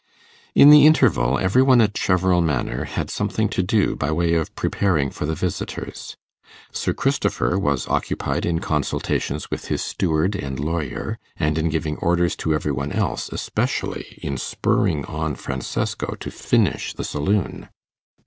In the interval, every one at Cheverel Manor had something to do by way of preparing for the visitors. Sir Christopher was occupied in consultations with his steward and lawyer, and in giving orders to every one else, especially in spurring on Francesco to finish the saloon.